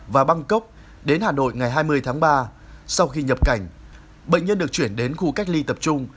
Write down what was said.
và bangkok đến hà nội ngày hai mươi tháng ba sau khi nhập cảnh bệnh nhân được chuyển đến khu cách ly tập trung